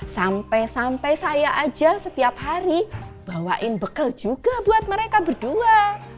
sampai sampai saya aja setiap hari bawain bekal juga buat mereka berdua